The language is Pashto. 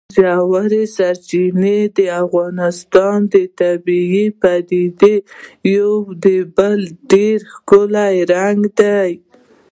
ژورې سرچینې د افغانستان د طبیعي پدیدو یو بل ډېر ښکلی رنګ دی.